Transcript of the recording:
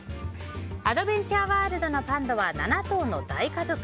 アドベンチャーワールドのパンダは７頭の大家族。